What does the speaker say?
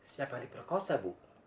siapa yang diperkosa bu